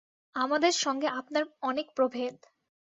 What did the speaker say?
আমাদের সঙ্গে আপনার অনেক প্রভেদ।